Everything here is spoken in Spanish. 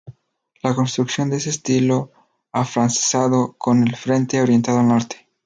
La construcción es de estilo afrancesado con el frente orientado al norte.